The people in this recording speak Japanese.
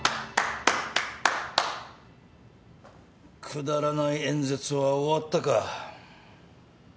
くだらない演説は終わったか？